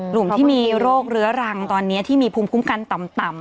หนุ่มที่มีโรคเรื้อรังตอนนี้ที่มีภูมิคุ้มกันต่ำ